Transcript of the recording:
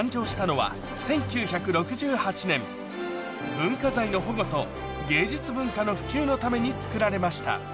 文化財の保護と芸術文化の普及のためにつくられました